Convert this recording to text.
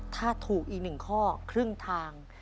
ถ้าถูกอีก๑ข้อครึ่งทาง